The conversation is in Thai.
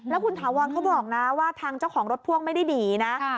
แล้วคุณถาวรเขาบอกนะว่าทางเจ้าของรถพ่วงไม่ได้หนีนะ